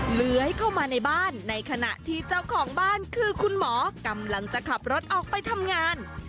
เหลือให้เข้ามาในบ้านในขณะที่เจ้าของบ้านคือคุณหมอกำลังจะขับรถออกไปทำงาน